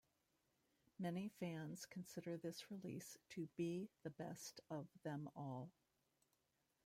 Many fans consider this release to be the best of them all.